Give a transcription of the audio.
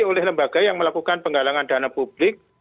oleh lembaga yang melakukan penggalangan dana publik